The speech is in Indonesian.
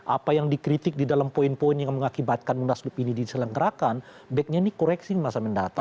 apa yang dikritik di dalam poin poin yang mengakibatkan mundas luk ini diselenggerakan baiknya ini koreksi masa mendatang